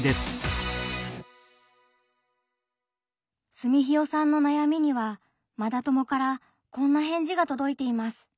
すみひよさんの悩みにはマダ友からこんな返事がとどいています。